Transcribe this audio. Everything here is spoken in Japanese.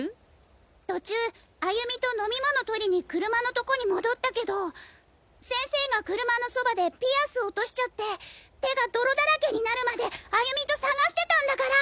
途中歩美と飲み物取りに車のトコに戻ったけど先生が車のそばでピアス落としちゃって手が泥だらけになるまで歩美と探してたんだから！